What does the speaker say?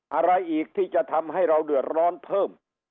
อะไรอีกที่จะทำให้เราเดือดร้อนเพิ่ม